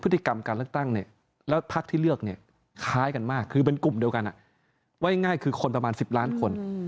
พฤติกรรมการเลือกตั้งเนี่ยแล้วพักที่เลือกเนี่ยคล้ายกันมากคือเป็นกลุ่มเดียวกันว่าง่ายคือคนประมาณ๑๐ล้านคน